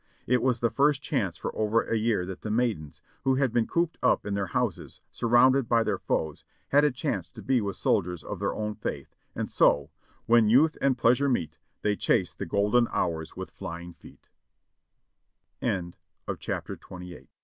It was the first chance for over a year that the maidens, who had been cooped up in their houses, surrounded by their foes, had a chance to be with soldiers of their own faith, and so, "When youth and pleasure meet, They chase the golden hours with flying